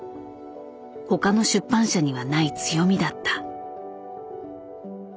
他の出版社にはない強みだった。